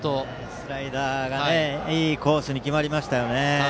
スライダーがいいコースに決まりましたね。